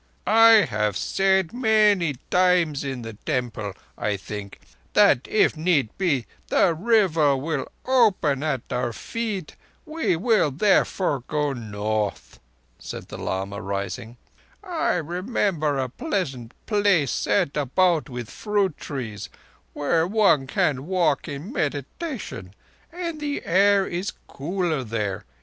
"I have said many times—in the Temple, I think—that if need be, the River will open at our feet. We will therefore go North," said the lama, rising. "I remember a pleasant place, set about with fruit trees, where one can walk in meditation—and the air is cooler there.